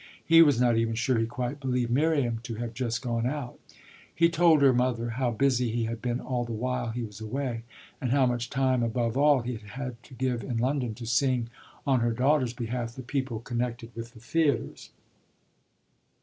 He was not even sure he quite believed Miriam to have just gone out. He told her mother how busy he had been all the while he was away and how much time above all he had had to give in London to seeing on her daughter's behalf the people connected with the theatres.